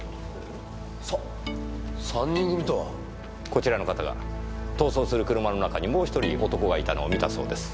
こちらの方が逃走する車の中にもう１人男がいたのを見たそうです。